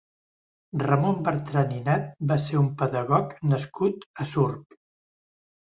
Ramon Bertran i Nat va ser un pedagog nascut a Surp.